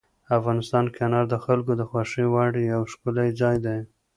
افغانستان کې انار د خلکو د خوښې وړ یو ښکلی ځای دی.